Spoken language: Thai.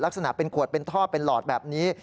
ลักษณะเป็นขวดเป็นท่อเป็นหลอดแบบนี้